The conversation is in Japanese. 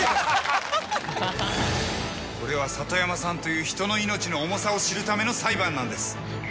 これは里山さんという人の命の重さを知るための裁判なんです。